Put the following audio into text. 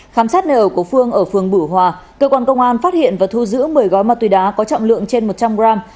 khám xét nơi ở của phương ở phường bửu hòa cơ quan công an phát hiện và thu giữ một mươi gói ma túy đá có trọng lượng trên một trăm linh gram